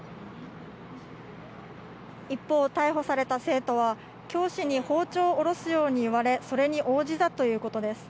一方、逮捕された生徒は、教師に包丁を下ろすように言われ、それに応じたということです。